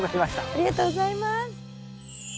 ありがとうございます。